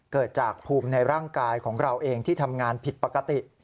เกิดจากภูมิในร่างกายของเราเองที่ทำงานผิดปกติ